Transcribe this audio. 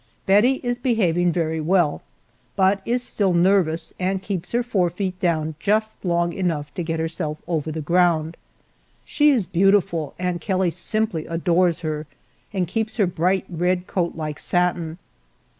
Bettie is behaving very well, but is still nervous, and keeps her forefeet down just long enough to get herself over the ground. She is beautiful, and Kelly simply adores her and keeps her bright red coat like satin.